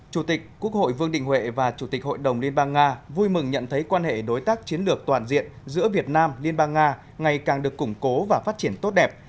chủ tịch quốc hội vương đình huệ và chủ tịch hội đồng liên bang nga vui mừng nhận thấy quan hệ đối tác chiến lược toàn diện giữa việt nam liên bang nga ngày càng được củng cố và phát triển tốt đẹp